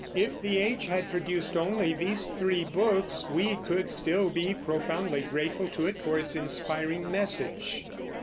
If the age had produced only these three books, we could still be profoundly grateful to it for its inspiring message.